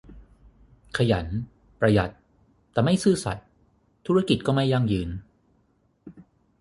ขยัน ประหยัดแต่ไม่ซื่อสัตย์ ธุรกิจก็ไม่ยั่งยืน